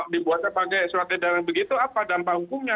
dibuatnya pakai surat edaran begitu apa dampak hukumnya